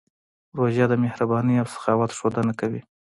روژه د مهربانۍ او سخاوت ښودنه کوي.